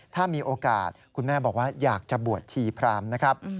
ถ้ามีโอกาสคุณแม่บอกว่าอยากจะบวชชีพรามนะครับ